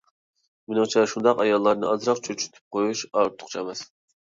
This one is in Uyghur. مېنىڭچە شۇنداق ئاياللارنى ئازراق چۆچۈتۈپ قويۇش ئارتۇقچە ئەمەس.